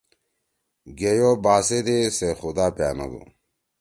گیئی او باسیدے سے خُدا پیِانَدُو